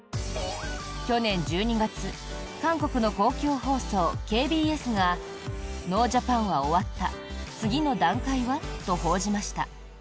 去年１２月韓国の公共放送ＫＢＳがノージャパンは終わった次の段階は？と報じました。